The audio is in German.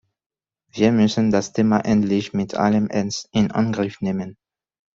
Wir müssen das Thema endlich mit allem Ernst in Angriff nehmen.